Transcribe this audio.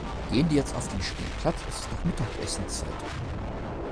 Gehen die jetzt auf den Spielplatz? Es ist doch Mittagessenszeit.